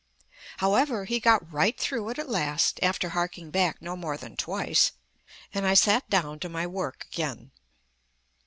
However, he got right through it at last, after harking back no more than twice, and I sat down to my work again.